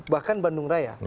bahkan bandung raya